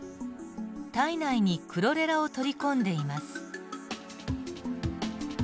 体内にクロレラを取り込んでいます。